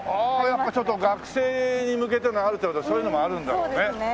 やっぱちょっと学生に向けてのある程度はそういうのもあるんだろうね。